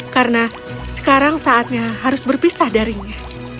karena sekarang saatnya harus berpisah darinya